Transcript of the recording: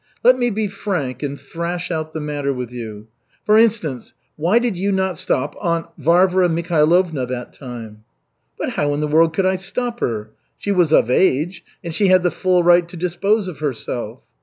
"Let me be frank and thrash out the matter with you. For instance, why did you not stop Aunt Varvara Mikhailovna that time?" "But how in the world could I stop her? She was of age, and she had the full right to dispose of herself."